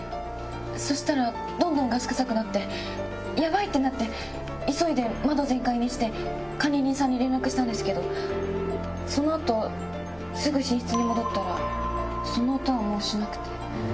そしたらどんどんガス臭くなってヤバい！ってなって急いで窓全開にして管理人さんに連絡したんですけどその後すぐ寝室に戻ったら。